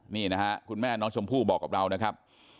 นี่นะฮะคุณแม่น้องชมพู่บอกกับเรานะครับ